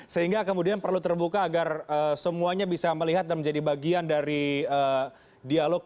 sehingga kemudian perlu terbuka agar semuanya bisa melihat dan menjadi bagian dari dialog